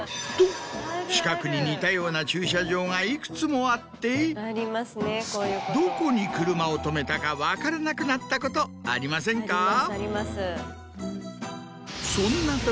と近くに似たような駐車場がいくつもあってどこに車を停めたか分からなくなったことありませんか？